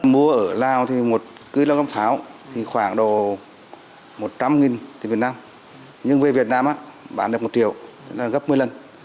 mua ở lào thì một cư lao găm pháo thì khoảng đồ một trăm linh thì việt nam nhưng về việt nam bán được một triệu là gấp một mươi lần